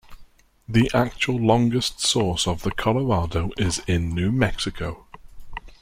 The actual longest source of the Colorado is in New Mexico.